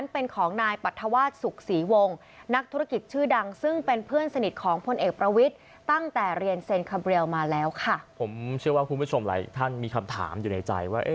ผมเชื่อว่าคุณผู้ชมหลายท่านมีคำถามอยู่ในใจว่า